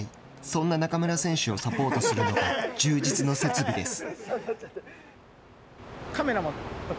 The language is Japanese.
そんな中村選手をサポートするのが充実の設備です。